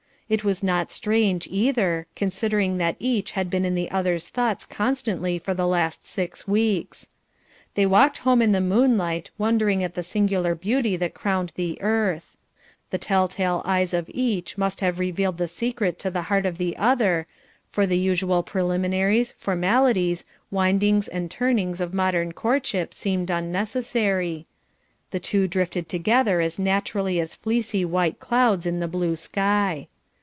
It was not strange either, considering that each had been in the other's thoughts constantly for the last six weeks. They walked home in the moonlight wondering at the singular beauty that crowned the earth. The tell tale eyes of each must have revealed the secret to the heart of the other, for the usual preliminaries, formalities, windings and turnings of modern courtship seemed unnecessary; the two drifted together as naturally as fleecy, white clouds in the blue sky.